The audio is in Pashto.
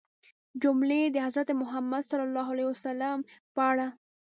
جملې د حضرت محمد ﷺ په اړه